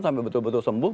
sampai betul betul sembuh